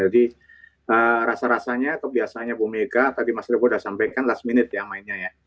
jadi rasa rasanya kebiasaannya bu mega tadi mas elvan udah sampaikan last minute ya mainnya ya